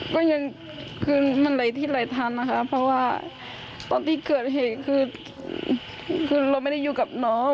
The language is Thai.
ก็ยังคือมันไหลที่ไหลทันนะคะเพราะว่าตอนที่เกิดเหตุคือเราไม่ได้อยู่กับน้อง